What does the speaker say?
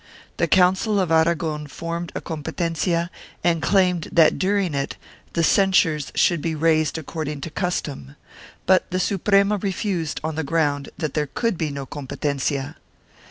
The Council of Aragori formed a competencia and claimed that during it the censures should be raised according to custom, but the Suprema refused on the ground that there could be no competencia.